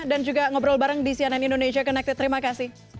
dan juga ngobrol bareng di cnn indonesia connected terima kasih